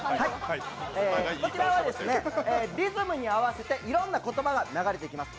こちらは、リズムに合わせていろんな言葉が流れてきます。